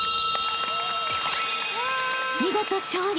［見事勝利！